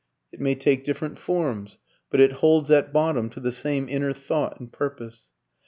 It may take different forms, but it holds at bottom to the same inner thought and purpose.